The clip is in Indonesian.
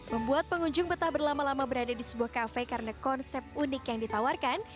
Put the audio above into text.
membuat pengunjung betah berlama lama berada di sebuah kafe karena konsep unik yang ditawarkan